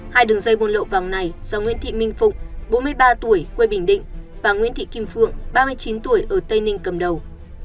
hai đường dây buôn lậu vàng này do nguyễn thị minh phụng bốn mươi ba tuổi quê bình định và nguyễn thị kim phượng ba mươi chín tuổi ở tây ninh cầm đầu